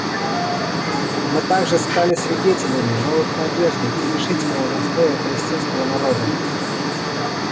Мы также стали свидетелями новых надежды и решительного настроя палестинского народа.